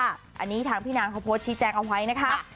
อันนี้ทางพี่นางเขาโพสต์ชี้แจงเอาไว้นะคะ